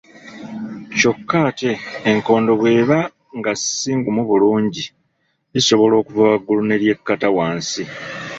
Kyokka ate enkondo bw'eba nga si ngumu bulungi, lisobola okuva waggulu ne lyekkata wansi.